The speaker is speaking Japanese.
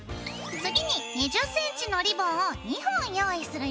次に２０ｃｍのリボンを２本用意するよ。